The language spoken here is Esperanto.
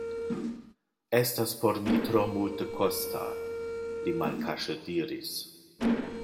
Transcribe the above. Estas por mi tro multekosta, li malkaŝe diris.